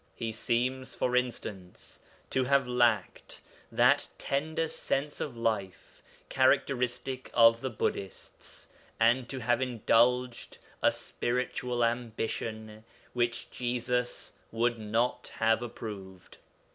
He seems, for instance, to have lacked that tender sense of life characteristic of the Buddhists, and to have indulged a spiritual ambition which Jesus would not have approved.